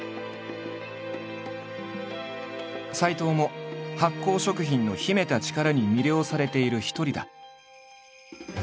斎藤も発酵食品の秘めた力に魅了されている一人だ。